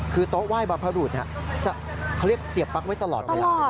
คือโต๊ะไหว้บรรพบรุษเขาเรียกเสียปั๊กไว้ตลอดเวลา